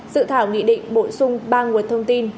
dự thảo nghị định bổ sung ba nguồn thông tin